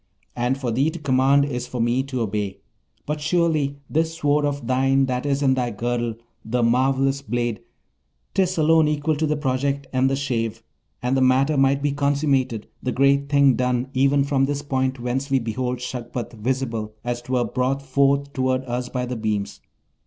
and for thee to command is for me to obey! but surely, this Sword of thine that is in thy girdle, the marvellous blade 'tis alone equal to the project and the shave; and the matter might be consummated, the great thing done, even from this point whence we behold Shagpat visible, as 'twere brought forward toward us by the beams!